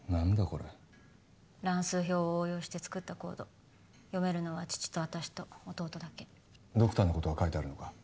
これ乱数表を応用して作ったコード読めるのは父と私と弟だけドクターのことが書いてあるのか？